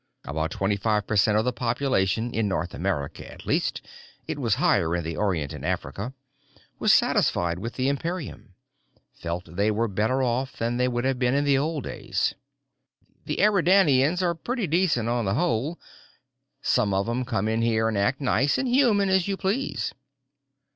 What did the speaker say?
About twenty five per cent of the population, in North America at least it was higher in the Orient and Africa was satisfied with the Imperium, felt they were better off than they would have been in the old days. "The Eridanians are pretty decent, on the whole. Some of 'em come in here and act nice and human as you please."